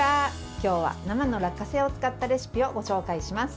今日は生の落花生を使ったレシピをご紹介します。